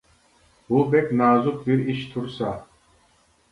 بۇ بەك نازۇك بىر ئىش تۇرسا.